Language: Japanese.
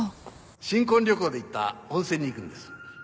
新婚旅行で行った温泉に行くんです